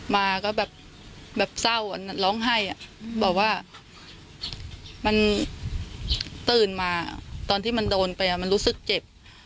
มาก็แบบเศร้าร้องไห้บอกว่ามันตื่นมาตอนที่มันโดนไปมันรู้สึกเจ็บ